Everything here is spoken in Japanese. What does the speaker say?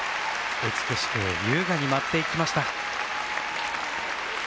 美しく優雅に舞っていきました。